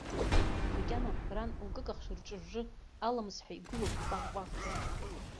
Макьана ран лкыкахш рҿыжжы аламыс ҳәа игылоуп икәаӷ-кәаӷӡа.